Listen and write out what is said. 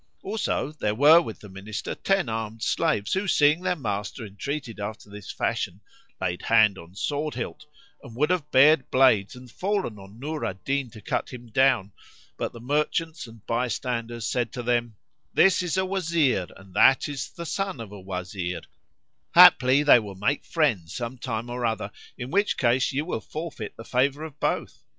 Also there were with the minister ten armed slaves who, seeing their master entreated after this fashion, laid hand on sword hilt and would have bared blades and fallen on Nur al Din to cut him down; but the merchants and bystanders said to them, "This is a Wazir and that is the son of a Wazir; haply they will make friends some time or other, in which case you will forfeit the favour of both.